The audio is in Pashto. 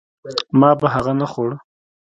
ما به هغه نه خوړ.